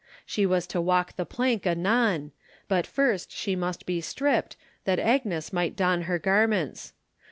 She was to walk the plank anon, but first she must be stripped that Agnes might don her garments.